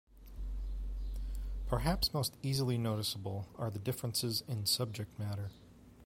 Perhaps most easily noticeable are the differences in subject matter.